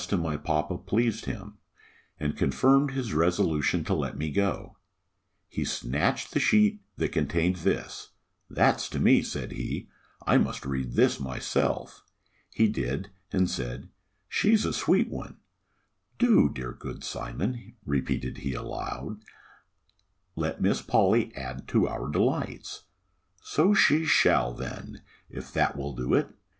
to my papa pleased him; and confirmed his resolution to let me go. He snatched the sheet that contained this, "That's to me," said he: "I must read this myself." He did, and said, "She's a sweet one: 'Do dear good Sir Simon,'" repeated he aloud, "'let Miss Polly add to our delights!' So she shall, then; if that will do it!